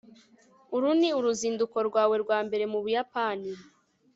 uru ni uruzinduko rwawe rwa mbere mu buyapani